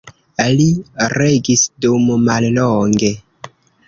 Li regis dum mallonge.